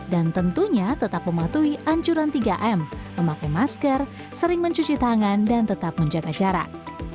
dan tentunya tetap mematuhi ancuran tiga m memakai masker sering mencuci tangan dan tetap menjaga jarak